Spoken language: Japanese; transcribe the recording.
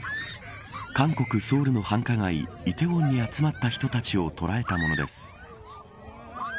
韓国ソウルの繁華街梨泰院に集まった人たちを捉えたものです。